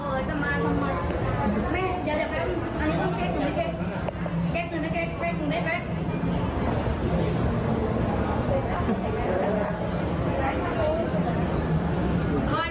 เจ้าหน้าที่อยู่ตรงนี้กำลังจะปัด